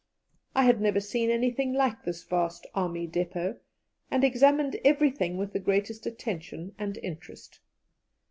I had never seen anything like this vast army depôt, and examined everything with the greatest attention and interest.